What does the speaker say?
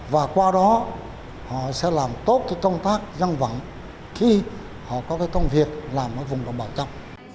và qua đó họ sẽ làm tốt cái công tác dân vận khi họ có cái công việc làm ở vùng đồng bào trăm